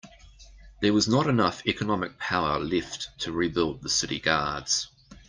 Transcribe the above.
There was not enough economic power left to rebuild the city guards.